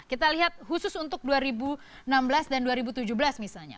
kita lihat khusus untuk dua ribu enam belas dan dua ribu tujuh belas misalnya